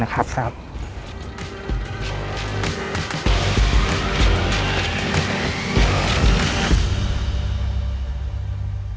ขอบคุณนะครับ